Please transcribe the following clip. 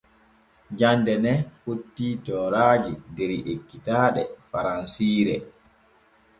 Jande ne fotti tooraaji der ekkitaaɗe faransiire.